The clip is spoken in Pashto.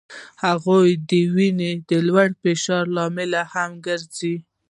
هغوی د وینې د لوړ فشار لامل هم ګرځي.